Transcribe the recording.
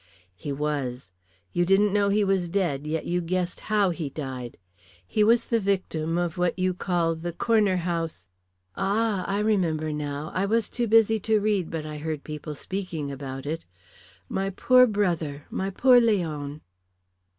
"He was. You didn't know he was dead, yet you guessed how he died. He was the victim of what you call the Corner House " "Ah, I remember now. I was too busy to read, but I heard people speaking about it. My poor brother, my poor Leon."